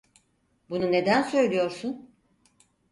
Bunu neden söylüyorsun?